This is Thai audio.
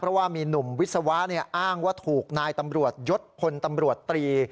เพราะว่ามีหนุ่มวิศวะอ้างว่าถูกนายตำรวจยศพลตำรวจตรี